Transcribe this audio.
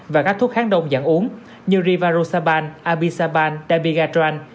và các thuốc kháng đồng dạng uống như rivaroxaban abisaban dabigatran